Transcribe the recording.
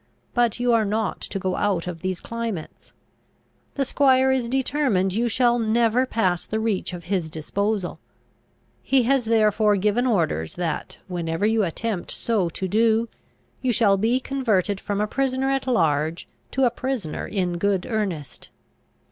But you are not to go out of these climates. The squire is determined you shall never pass the reach of his disposal. He has therefore given orders that, whenever you attempt so to do, you shall be converted from a prisoner at large to a prisoner in good earnest.